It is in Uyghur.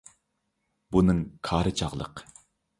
بۇنىڭ كارى چاغلىق.